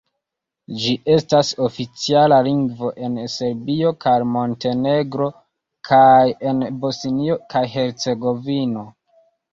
Ĝi estas oficiala lingvo en Serbio kaj Montenegro kaj en Bosnio kaj Hercegovino.